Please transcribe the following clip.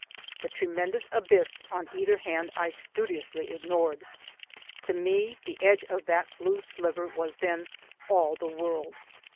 The tremendous abyss on either hand I studiously ignored. To me the edge of that blue sliver was then all the world.